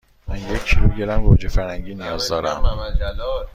یک کیلوگرم گوجه فرنگی نیاز دارم.